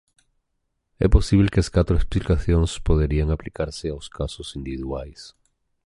É posíbel que as catro explicacións poderían aplicarse aos casos individuais.